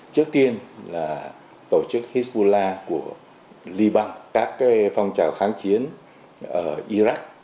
trước tiên là tổ chức hezbollah của liban các cái phong trào kháng chiến ở iraq